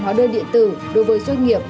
hóa đơn điện tử đối với doanh nghiệp